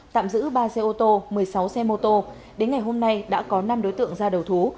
tạm giữ ba xe ô tô một mươi sáu xe mô tô đến ngày hôm nay đã có năm đối tượng ra đầu thú